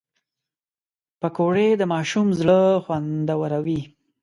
پکورې د ماشوم زړه خوندوروي